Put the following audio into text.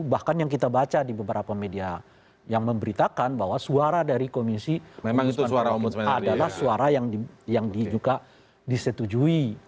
bahkan yang kita baca di beberapa media yang memberitakan bahwa suara dari komisi pemilihan umum adalah suara yang juga disetujui